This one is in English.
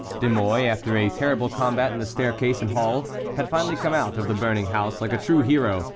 De Mouy, after a terrible combat in the staircase and hall, had finally come out of the burning house like a true hero.